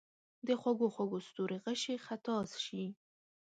د خوږو، خوږو ستورو غشي خطا شي